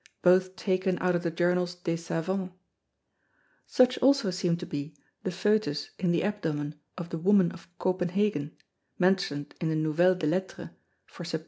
both taken out of the Journals des Savans: Such also seem to be the Fœtus in the Abdomen of the Woman of Copenhagen, mention'd in the Nouvelles des Lettres, for _Sept.